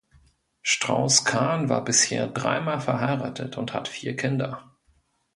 Strauss-Kahn war bisher dreimal verheiratet und hat vier Kinder.